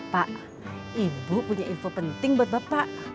pak ibu punya info penting buat bapak